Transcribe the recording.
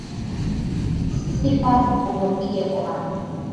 Sifa zikurudie bwana.